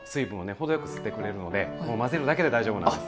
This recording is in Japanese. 程よく吸ってくれるので混ぜるだけで大丈夫なんです。